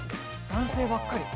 男性ばっかり。